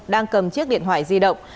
đang cầm chiếc điện thoại di động